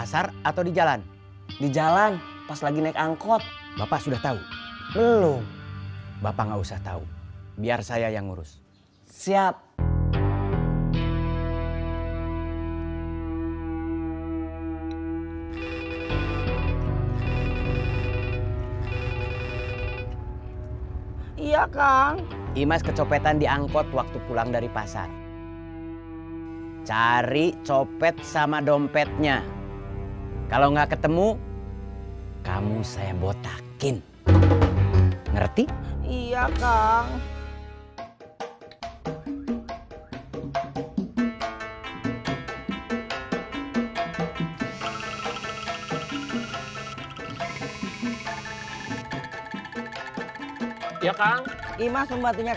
berani melakukan apapun buat menjaga milik orang yang menitipkan motornya disini